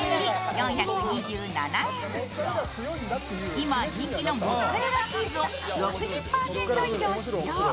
今、人気のモッツァレラチーズを６０％以上使用。